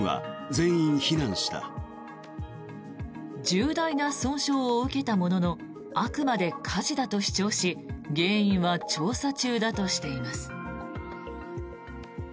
重大な損傷を受けたもののあくまで火事だと主張し原因は調査中だとしています。